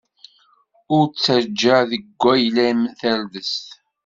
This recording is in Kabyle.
Ur ttaǧǧa deg wayla-m tardest.